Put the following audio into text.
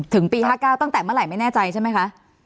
ถึงปี๕๙ตั้งแต่เมื่อไหร่ไม่แน่ใจใช่ไหมคะ